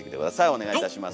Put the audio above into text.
お願いいたします。